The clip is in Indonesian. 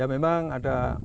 ya memang ada